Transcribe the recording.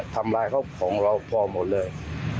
ทำร้ายของเราพร้อมออกเลย